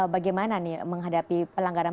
bagaimana nih menghadapi pelanggaran